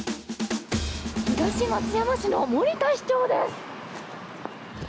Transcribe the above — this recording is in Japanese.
東松山市の森田市長です。